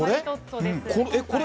これ？